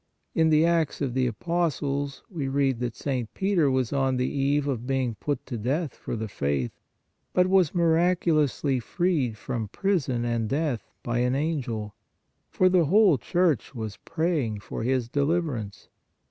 In the Acts of the Apostles we read that St. Peter was on the eve of being put to death for the faith, but was miraculously freed from prison and death by an angel, for the whole Church was praying for his deliverance.